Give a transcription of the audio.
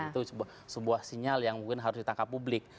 itu sebuah sinyal yang mungkin harus ditangkap publik